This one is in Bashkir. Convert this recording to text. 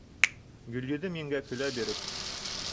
Гөлйөҙөм еңгә, көлә биреп: